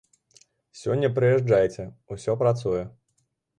Сёння прыязджайце, усё працуе.